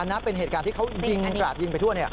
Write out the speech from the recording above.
อันนั้นเป็นเหตุการณ์ที่เขาดิงกระดาษยิงไปทั่วเนี่ย